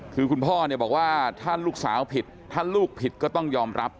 คือคุณพ่อเนี่ยบอกว่าถ้าลูกสาวผิดถ้าลูกผิดก็ต้องยอมรับ